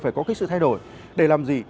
phải có cái sự thay đổi để làm gì